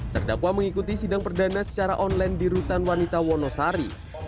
terdakwa mengikuti sidang perdana secara online di rutan wanita wonosari